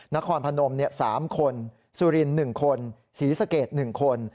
นครพนม๓คนสุรินทร์๑คนศรีสะเกด๑คน